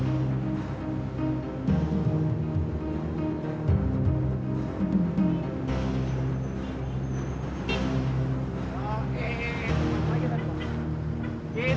lo makan roti yang tiga puluh ribuan